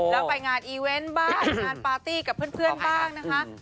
แล้วไปงานอีเวนต์บ้างงานปาร์ตี้กับเพื่อนบ้างนะคะ